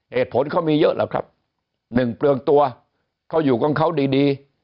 เหตุผลเขามีเยอะแล้วครับหนึ่งเปลืองตัวเขาอยู่ของเขาดีดี